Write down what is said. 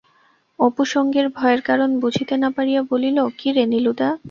অপু সঙ্গীর ভয়ের কারণ বুঝিতে না পারিয়া বলিল, কি রে নীলুদা?